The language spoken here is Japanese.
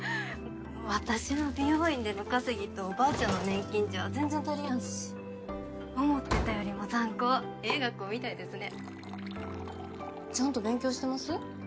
私の美容院での稼ぎとばあちゃんの年金じゃ全然足りやんし思ってたよりもザン高ええ学校みたいですねちゃんと勉強してます？